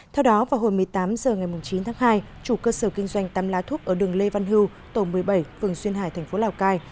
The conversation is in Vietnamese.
theo đó vào hồi một mươi tám h ngày chín tháng hai chủ cơ sở kinh doanh tăm lá thuốc ở đường lê văn hưu tổ một mươi bảy phường xuyên hải thành phố lào cai